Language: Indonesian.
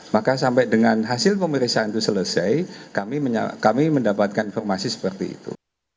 maka sampai dengan hasil pemeriksaan itu selesai kami mendapatkan informasi seperti itu